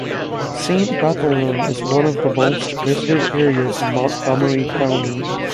Saint Bethlehem is one of the most visited areas in Montgomery County.